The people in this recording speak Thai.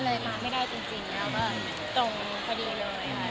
เลยมาไม่ได้จริงแล้วก็ตรงพอดีเลยค่ะ